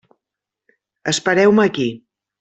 Espereu-me aquí.